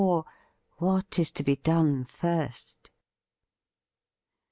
'what is to be done first?'